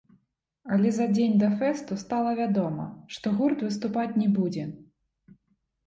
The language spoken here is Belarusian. Але за дзень да фэсту стала вядома, што гурт выступаць не будзе.